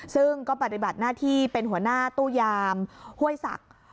ซึ่งก็ปฏิบัติหน้าที่เป็นหัวหน้าตู้ยามห้วยศักดิ์